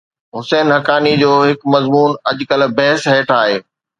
حسين حقاني جو هڪ مضمون اڄڪلهه بحث هيٺ آهي.